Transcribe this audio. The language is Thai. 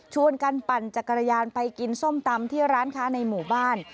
กันปั่นจักรยานไปกินส้มตำที่ร้านค้าในหมู่บ้าน